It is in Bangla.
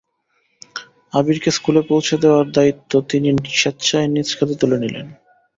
আবিরকে স্কুলে পৌঁছে দেওয়ার দেওয়ার দায়িত্ব তিনি স্বেচ্ছায় নিজ কাঁধে তুলে নিলেন।